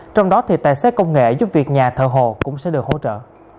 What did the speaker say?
trong đó thì tài xế công nghệ giúp việc nhà thờ hồ cũng sẽ được hỗ trợ